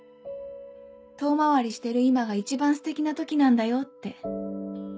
遠回りしてる今が一番ステキな時なんだよ」って。